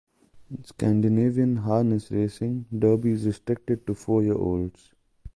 In Scandinavian harness racing Derby is restricted to four-year-olds.